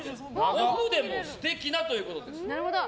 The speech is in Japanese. オフでも素敵なということで。